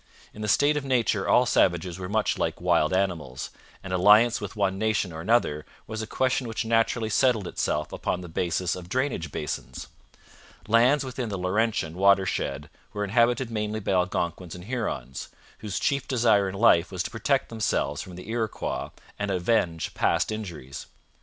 In the state of nature all savages were much like wild animals, and alliance with one nation or another was a question which naturally settled itself upon the basis of drainage basins. Lands within the Laurentian watershed were inhabited mainly by Algonquins and Hurons, whose chief desire in life was to protect themselves from the Iroquois and avenge past injuries.